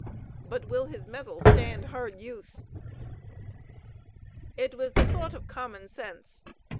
But will his metal stand hard use?" It was the thought of common sense.